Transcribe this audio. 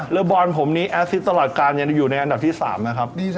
แล้วบอลผมนี้ตลอดการอยู่ในอันดับที่๓